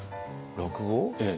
落語？